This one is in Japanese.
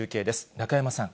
仲山さん。